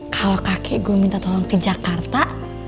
kalau kakek gue minta tolong ke jakarta